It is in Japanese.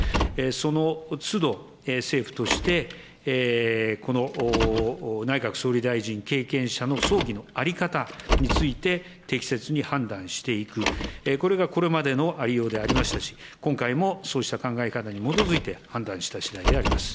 そのつど、政府として内閣総理大臣経験者の葬儀の在り方について、適切に判断していく、これがこれまでのありようでありましたし、今回もそうした考え方に基づいて、判断したしだいであります。